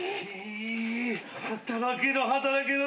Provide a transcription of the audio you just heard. イ！働けど働けど